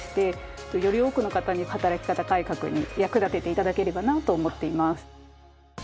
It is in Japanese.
より多くの方に働き方改革に役立てて頂ければなと思っています。